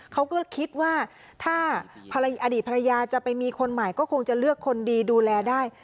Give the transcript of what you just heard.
เขาก็คิดว่าถ้าอดีตภรรยาจะไปมีคนใหม่ก็คงจะเลือกคนดีดูแลได้